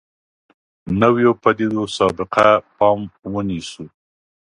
نویو پدیدو سابقه پام ونیسو.